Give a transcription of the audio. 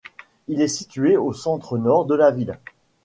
Il est situé au centre-nord de la ville.